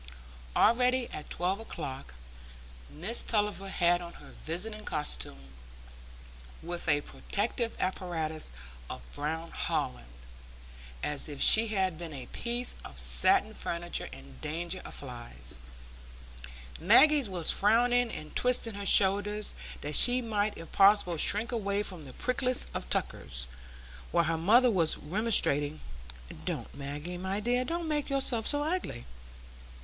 Already, at twelve o'clock, Mrs Tulliver had on her visiting costume, with a protective apparatus of brown holland, as if she had been a piece of satin furniture in danger of flies; Maggie was frowning and twisting her shoulders, that she might if possible shrink away from the prickliest of tuckers, while her mother was remonstrating, "Don't, Maggie, my dear; don't make yourself so ugly!"